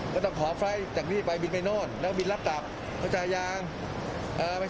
ก็ต้องขอไฟล์จากนี่ไปบินไปโน่นแล้วบินรับจาก